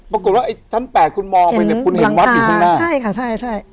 ปรากฏว่าไอ้ท่าน๘คุณมองไปแล้วคุณเห็นวัดอยู่ข้างหน้าเห็นหลังตาใช่ค่ะใช่